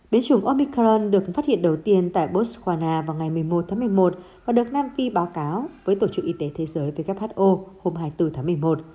bế chủng omican được phát hiện đầu tiên tại botswana vào ngày một mươi một tháng một mươi một và được nam phi báo cáo với tổ chức y tế thế giới who hôm hai mươi bốn tháng một mươi một